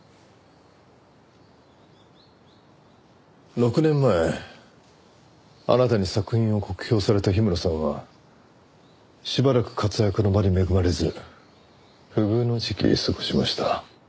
６年前あなたに作品を酷評された氷室さんはしばらく活躍の場に恵まれず不遇の時期を過ごしました。